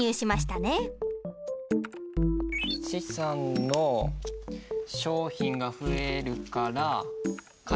資産の商品が増えるから借方？